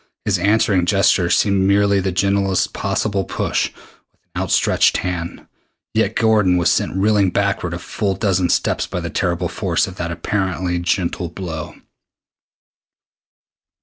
His answering gesture seemed merely the gentlest possible push with an outstretched hand, yet Gordon was sent reeling backward a full dozen steps by the terrific force of that apparently gentle blow.